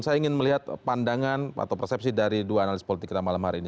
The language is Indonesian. saya ingin melihat pandangan atau persepsi dari dua analis politik kita malam hari ini